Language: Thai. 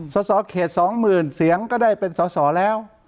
สอสอเขตสองหมื่นเสียงก็ได้เป็นสอสอแล้ว